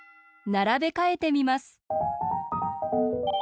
ならべかえてみます。